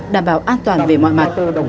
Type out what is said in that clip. đảm bảo an toàn về mọi mặt